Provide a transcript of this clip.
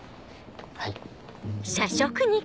はい。